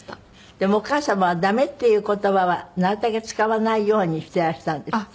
でもお母様は駄目っていう言葉はなるたけ使わないようにしていらしたんですって？